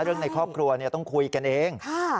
เรื่องในครอบครัวต้องคุยกันเอง